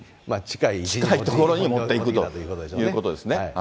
近い所に持っていくということですね。